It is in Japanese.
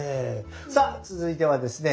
さあ続いてはですね